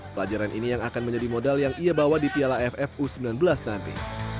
pelajaran ini yang akan menjadi modal yang ia bawa di piala aff u sembilan belas nanti